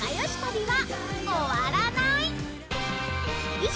［以上］